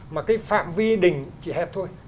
mà cái phạm vi đình chỉ hẹp thôi